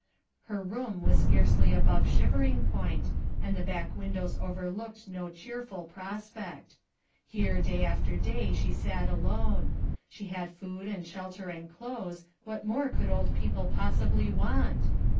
Her room was scarcely above shivering point, and the back windows overlooked no cheerful prospect. Here day after day she sat alone; she had food and shelter and clothes, what more could old people possibly want?